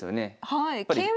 はい。